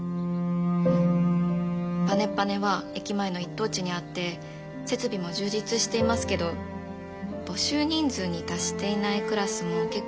パネパネは駅前の一等地にあって設備も充実していますけど募集人数に達していないクラスも結構多くて。